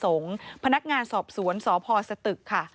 พนักงานสอบสวนสพสตึกค่ะ